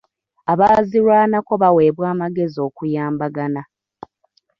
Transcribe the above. Abaazirwanako baweebwa amagezi okuyambagana.